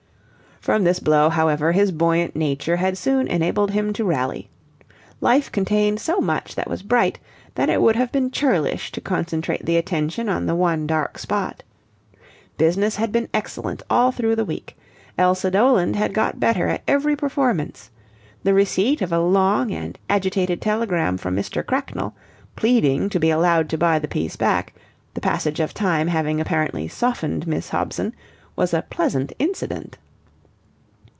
From this blow, however, his buoyant nature had soon enabled him to rally. Life contained so much that was bright that it would have been churlish to concentrate the attention on the one dark spot. Business had been excellent all through the week. Elsa Doland had got better at every performance. The receipt of a long and agitated telegram from Mr. Cracknell, pleading to be allowed to buy the piece back, the passage of time having apparently softened Miss Hobson, was a pleasant incident.